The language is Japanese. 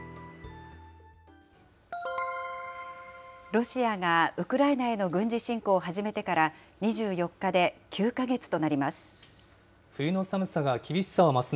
ロシアがウクライナへの軍事侵攻を始めてから２４日で９か月となります。